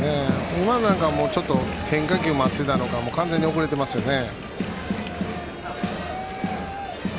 今のなんかも変化球を待っていたのか完全に遅れていますね。